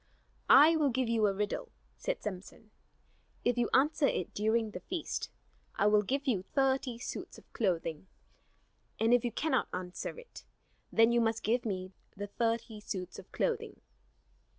"I will give you a riddle," said Samson. "If you answer it during the feast, I will give you thirty suits of clothing; and if you cannot answer it then you must give me the thirty suits of clothing."